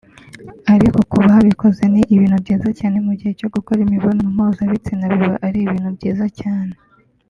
Ariko ku babikoze ni ibintu byiza cyane mu gihe cyo gukora imibonano mpuzabitsina biba ari ibintu byiza cyane